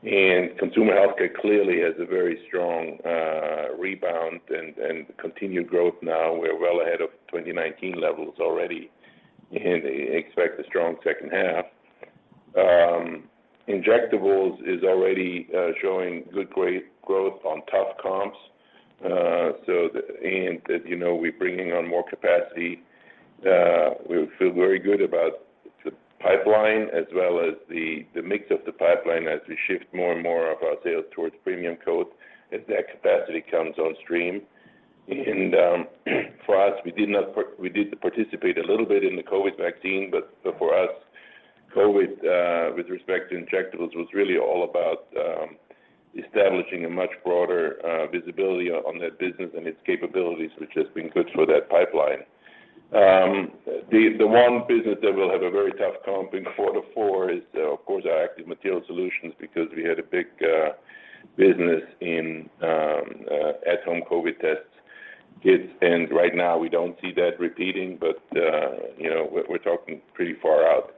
long-term. Consumer healthcare clearly has a very strong rebound and continued growth now. We're well ahead of 2019 levels already and expect a strong second half. Injectables is already showing great growth on tough comps. As you know, we're bringing on more capacity. We feel very good about the pipeline as well as the mix of the pipeline as we shift more and more of our sales towards PremiumCoat as that capacity comes on stream. For us, we did participate a little bit in the COVID vaccine, but for us, COVID, with respect to injectables, was really all about establishing a much broader visibility on that business and its capabilities, which has been good for that pipeline. The one business that will have a very tough comp in quarter four is, of course, our Active Material Science because we had a big business in at-home COVID test kits. Right now we don't see that repeating, but you know, we're talking pretty far out.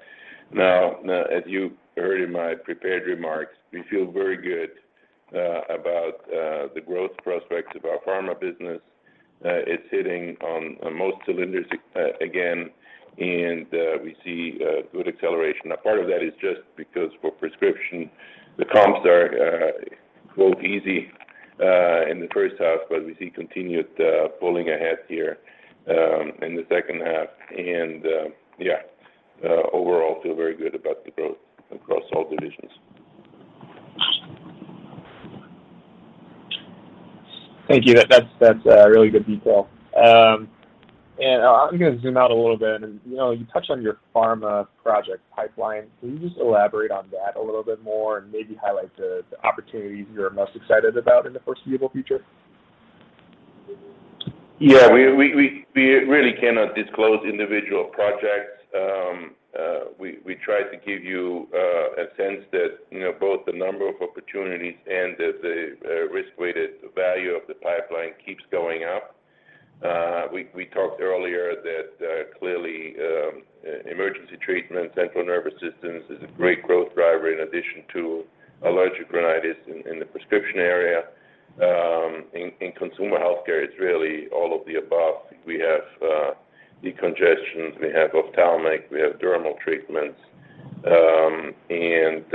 Now as you heard in my prepared remarks, we feel very good about the growth prospects of our Pharma business. It's hitting on most cylinders again, and we see good acceleration. Now part of that is just because for prescription, the comps are quote "easy" in the first half, but we see continued pulling ahead here in the second half. Overall feel very good about the growth across all divisions. Thank you. That's really good detail. I'm gonna zoom out a little bit and, you know, you touched on your Pharma project pipeline. Can you just elaborate on that a little bit more and maybe highlight the opportunities you're most excited about in the foreseeable future? Yeah. We really cannot disclose individual projects. We tried to give you a sense that, you know, both the number of opportunities and that the risk-weighted value of the pipeline keeps going up. We talked earlier that clearly emergency treatment, central nervous system is a great growth driver in addition to allergic rhinitis in the prescription area. In consumer healthcare, it's really all of the above. We have decongestants, we have ophthalmic, we have dermal treatments. And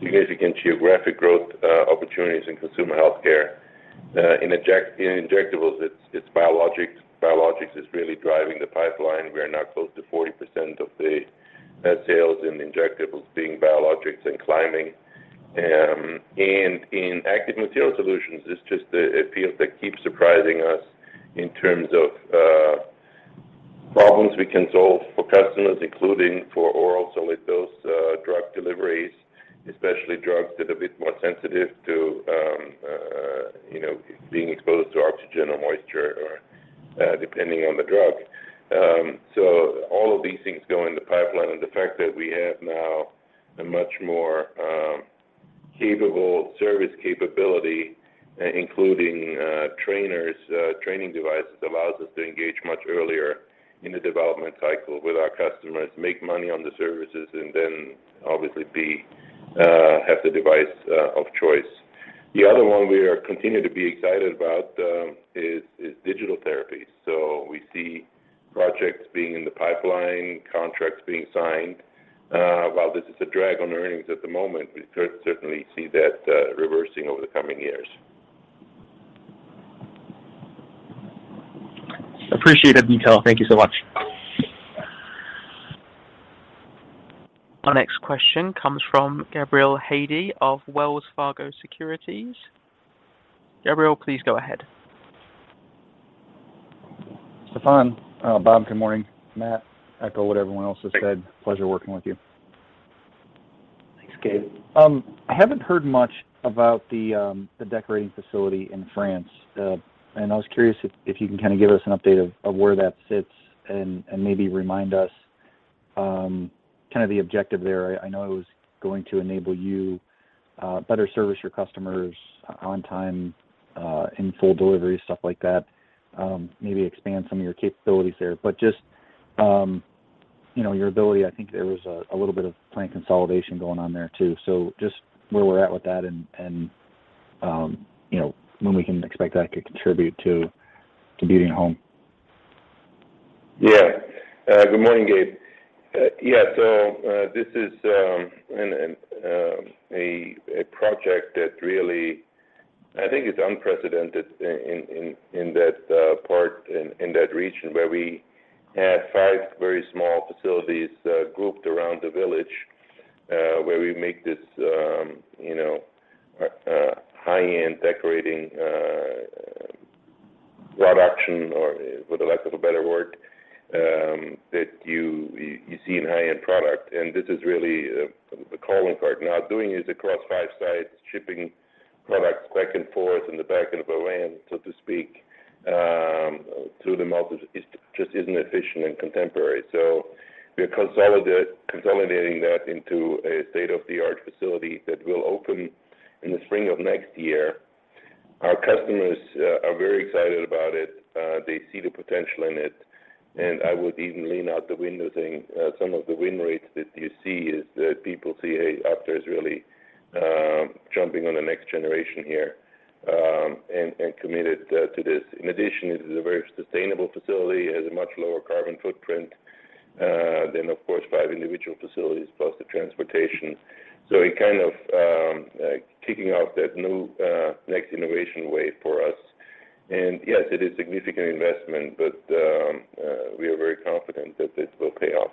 significant geographic growth opportunities in consumer healthcare. In injectables it's biologics. Biologics is really driving the pipeline. We are now close to 40% of the sales in injectables being biologics and climbing. In Active Material Science, it's just a field that keeps surprising us in terms of problems we can solve for customers, including for oral solid dose, drug deliveries, especially drugs that are a bit more sensitive to, you know, being exposed to oxygen or moisture or, depending on the drug. All of these things go in the pipeline. The fact that we have now a much more capable service capability, including training devices, allows us to engage much earlier in the development cycle with our customers, make money on the services, and then obviously have the device of choice. The other one we are continuing to be excited about is digital therapeutics. We see projects being in the pipeline, contracts being signed. While this is a drag on earnings at the moment, we certainly see that reversing over the coming years. Appreciated, Stephan. Thank you so much. Our next question comes from Gabe Hajde of Wells Fargo Securities. Gabriel, please go ahead. Stephan, Bob, good morning. Matt, echo what everyone else has said. Pleasure working with you. Thanks, Gabe. I haven't heard much about the decorating facility in France. I was curious if you can kind of give us an update on where that sits and maybe remind us kind of the objective there. I know it was going to enable you to better service your customers on time in full delivery, stuff like that. Maybe expand some of your capabilities there. Just, you know, the facility. I think there was a little bit of plant consolidation going on there too. Just where we're at with that and, you know, when we can expect that to contribute to competing at home. Yeah. Good morning, Gabe. Yeah, so, this is a project that really I think is unprecedented in that part in that region where we had five very small facilities grouped around the village where we make this you know high-end decorating production or for the lack of a better word that you see in high-end product. This is really the challenging part. Now, doing this across five sites, shipping products back and forth in the back of a van, so to speak, it just isn't efficient and contemporary. We're consolidating that into a state-of-the-art facility that will open in the spring of next year. Our customers are very excited about it. They see the potential in it. I would even lean out the window saying some of the win rates that you see is that people see, hey, Aptar is really jumping on the next generation here, and committed to this. In addition, it is a very sustainable facility. It has a much lower carbon footprint than of course five individual facilities plus the transportations. It kind of kicking off that new next innovation wave for us. Yes, it is significant investment, but we are very confident that this will pay off.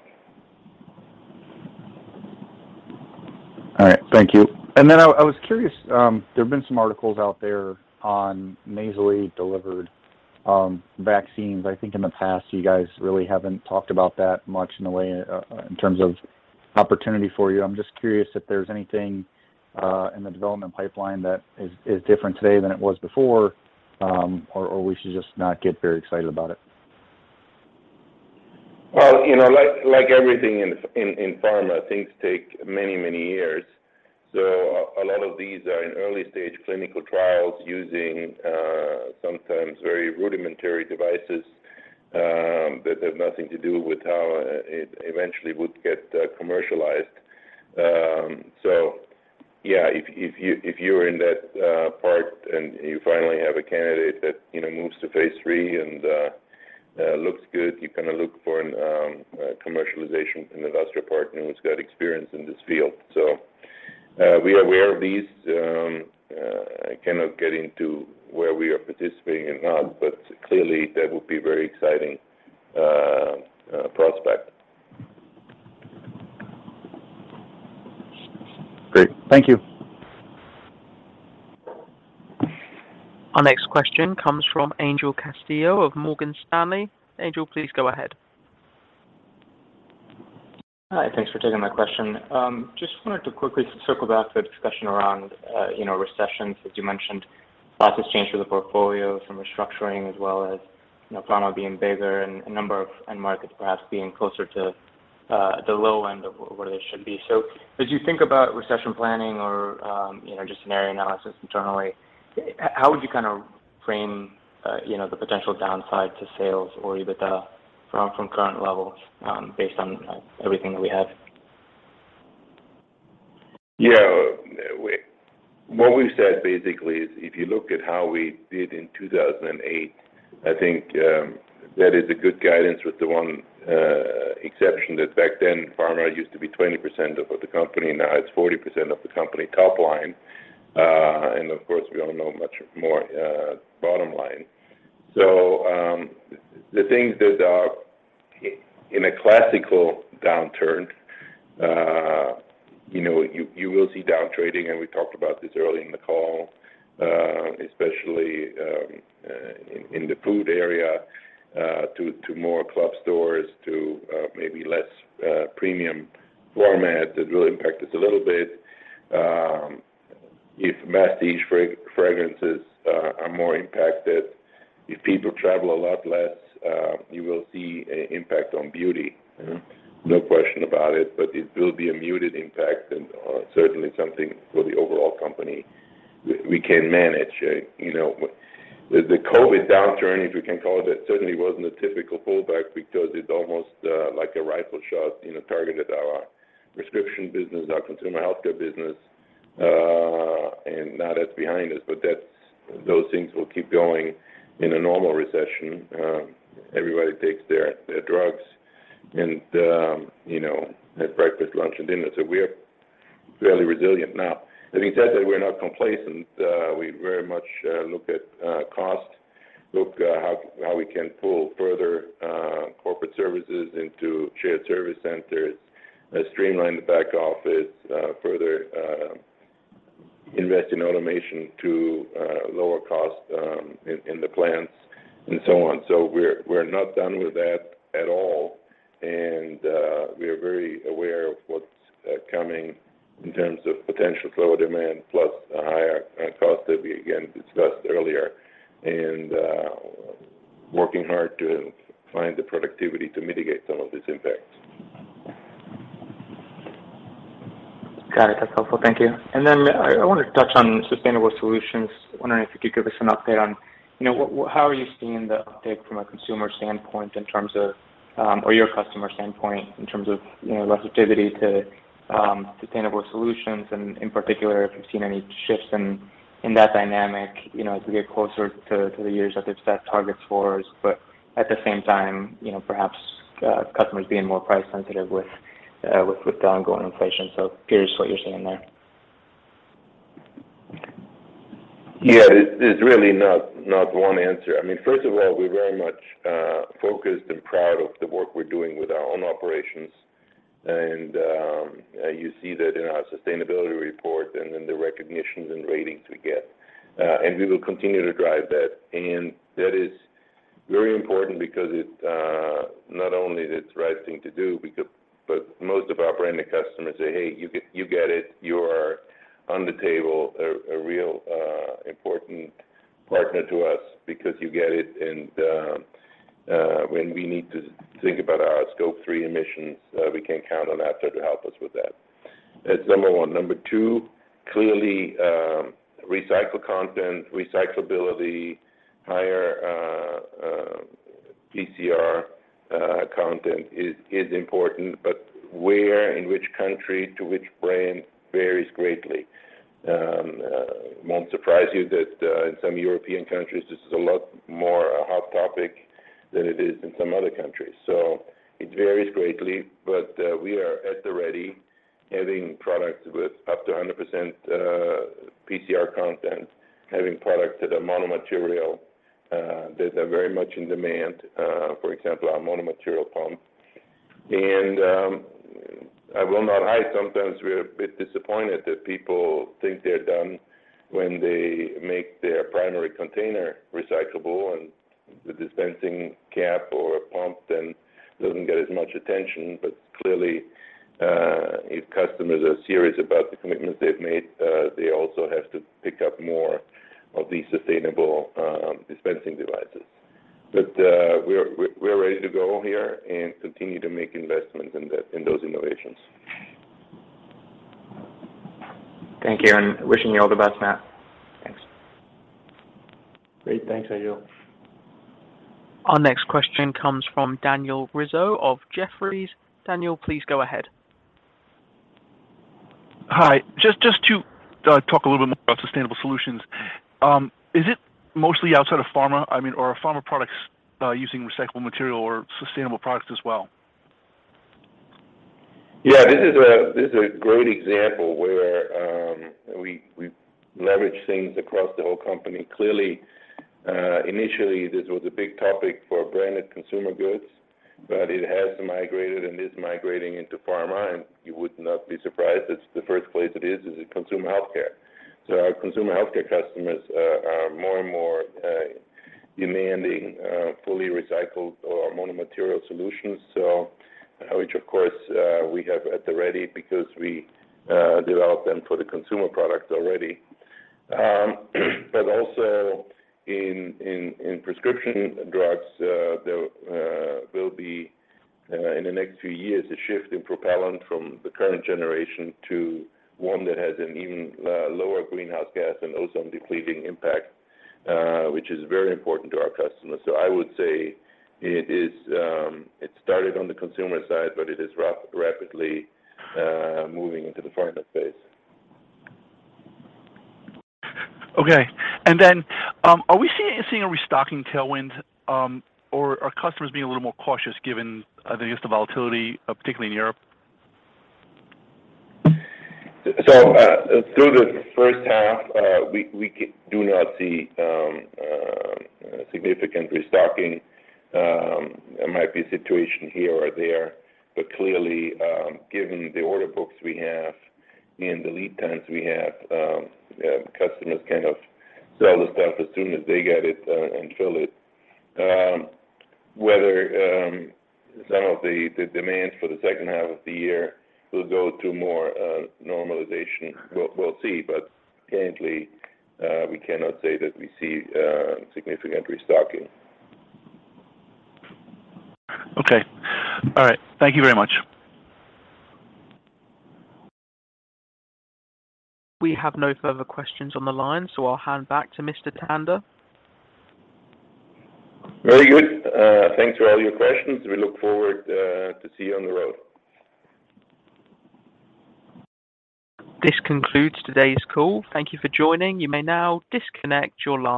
All right. Thank you. I was curious, there have been some articles out there on nasally delivered vaccines. I think in the past, you guys really haven't talked about that much in a way, in terms of opportunity for you. I'm just curious if there's anything in the development pipeline that is different today than it was before, or we should just not get very excited about it. Well, you know, like everything in Pharma, things take many years. A lot of these are in early-stage clinical trials using sometimes very rudimentary devices that have nothing to do with how it eventually would get commercialized. Yeah, if you're in that part and you finally have a candidate that you know moves to phase III and looks good, you kinda look for a commercialization and industrial partner who's got experience in this field. We are aware of these. I cannot get into where we are participating and not, but clearly that would be very exciting prospect. Great. Thank you. Our next question comes from Angel Castillo of Morgan Stanley. Angel, please go ahead. Hi. Thanks for taking my question. Just wanted to quickly circle back to the discussion around, you know, recessions. As you mentioned, lots has changed for the portfolio from restructuring as well as, you know, Pharma being bigger and a number of end-markets perhaps being closer to, the low-end of where they should be. So as you think about recession planning or, you know, just scenario analysis internally, how would you kind of frame, you know, the potential downside to sales or EBITDA from current levels, based on everything that we have? Yeah. What we've said basically is if you look at how we did in 2008, I think, that is a good guidance with the one exception that back then Pharma used to be 20% of the company, now it's 40% of the company top-line. And of course, we all know much more bottom line. The things that are in a classical downturn, you know, you will see down-trading, and we talked about this early in the call, especially in the food area, to more club stores to maybe less-premium format. That will impact us a little bit. If prestige fragrances are more impacted, if people travel a lot less, you will see an impact on Beauty. Mm-hmm. No question about it, but it will be a muted impact and certainly something for the overall company we can manage. You know, the COVID downturn, if we can call it that, certainly wasn't a typical pullback because it's almost like a rifle shot, you know, targeted our prescription business, our consumer healthcare business, and now that's behind us. That's those things will keep going. In a normal recession, everybody takes their drugs and you know, have breakfast, lunch and dinner. We're fairly resilient. Now, having said that, we're not complacent. We very much look at cost, look how we can pull further corporate services into shared service centers, streamline the back office, further invest in automation to lower cost in the plants and so on. We're not done with that at all. We are very aware of what's coming in terms of potential slower demand plus a higher cost that we again discussed earlier and working hard to find the productivity to mitigate some of these impacts. Got it. That's helpful. Thank you. Then I wanna touch on sustainable solutions. Wondering if you could give us an update on, you know, what. How are you seeing the uptake from a consumer standpoint in terms of, or your customer standpoint in terms of, you know, receptivity to, sustainable solutions and in particular if you've seen any shifts in that dynamic, you know, as we get closer to the years that they've set targets for. At the same time, you know, perhaps customers being more price sensitive with the ongoing inflation. Curious what you're seeing there. Yeah. There's really not one answer. I mean, first of all, we're very much focused and proud of the work we're doing with our own operations and you see that in our sustainability report and in the recognitions and ratings we get. We will continue to drive that. That is very important because it not only is it the right thing to do but most of our branded customers say, "Hey you get it. You are at the table, a real important partner to us because you get it, when we need to think about our Scope 3 emissions, we can count on Aptar to help us with that." That's number one. Number two, clearly, recycled content, higher recyclability, PCR content is important, but where in which country to which brand varies greatly. It won't surprise you that, in some European countries, this is a lot more a hot topic than it is in some other countries. It varies greatly. We are at the ready having products with up to 100% PCR content, having products that are mono-material that are very much in demand, for example, our mono-material pump. I will not hide, sometimes we are a bit disappointed that people think they're done when they make their primary container recyclable and the dispensing cap or pump then doesn't get as much attention. Clearly, if customers are serious about the commitments they've made, they also have to pick up more of these sustainable dispensing devices. We are ready to go here and continue to make investments in those innovations. Thank you and wishing you all the best, Matt. Thanks. Great. Thanks, Angel Castillo. Our next question comes from Daniel Rizzo of Jefferies. Daniel, please go ahead. Hi. Just to talk a little bit more about sustainable solutions. Is it mostly outside of Pharma? I mean, are Pharma products using recyclable material or sustainable products as well? Yeah. This is a great example where we leverage things across the whole company. Clearly, initially this was a big topic for branded consumer goods, but it has migrated and is migrating into Pharma. You would not be surprised it's the first place it is in consumer healthcare. Our consumer healthcare customers are more and more demanding fully recycled or mono-material solutions, which of course we have at the ready because we developed them for the consumer products already. Also in prescription drugs, there will be in the next few years a shift in propellant from the current generation to one that has an even lower greenhouse gas and ozone depleting impact, which is very important to our customers. I would say it is, it started on the consumer side, but it is rapidly moving into the Pharma space. Are we seeing a restocking tailwind, or are customers being a little more cautious given the volatility, particularly in Europe? Through the first half, we do not see significant restocking. There might be a situation here or there, but clearly, given the order books we have and the lead times we have, customers kind of sell the stuff as soon as they get it, and fill it. Whether some of the demands for the second half of the year will go to more normalization, we'll see. Currently, we cannot say that we see significant restocking. Okay. All right. Thank you very much. We have no further questions on the line, so I'll hand back to Stephan Tanda. Very good. Thanks for all your questions. We look forward to see you on the road. This concludes today's call. Thank you for joining. You may now disconnect your line.